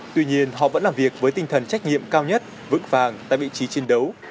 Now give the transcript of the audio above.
tuy nhiên họ vẫn làm việc với tinh thần trách nhiệm cao nhất vững vàng tại vị trí chiến đấu